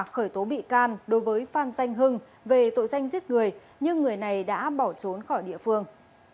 khởi tố bị can đối với phan danh hưng về tội danh giết người nhưng người này đã bỏ trốn khỏi địa phương